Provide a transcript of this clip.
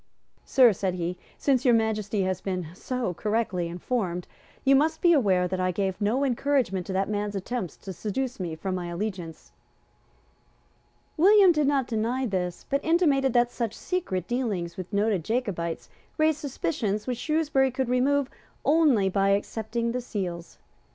"Sir," said he, "since Your Majesty has been so correctly informed, you must be aware that I gave no encouragement to that man's attempts to seduce me from my allegiance." William did not deny this, but intimated that such secret dealings with noted Jacobites raised suspicions which Shrewsbury could remove only by accepting the seals.